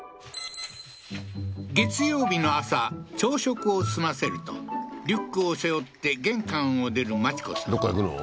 月曜日の朝朝食を済ませるとリュックを背負って玄関を出るどっか行くの？